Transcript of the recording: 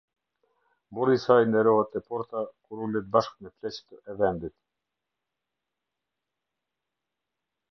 Burri i saj nderohet te porta, kur ulet bashkë me pleqtë e vendit.